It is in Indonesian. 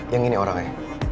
yang ini orangnya